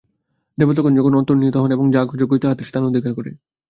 দেবতাগণ তখন অন্তর্হিত হন এবং যাগযজ্ঞই তাঁহাদের স্থান অধিকার করে।